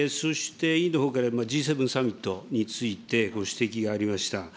そして、Ｇ７サミットについて、ご指摘がありました。